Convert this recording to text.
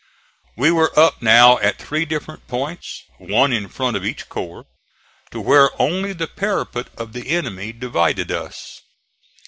We were up now at three different points, one in front of each corps, to where only the parapet of the enemy divided us.